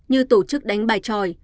như tổ chức đánh bài tròi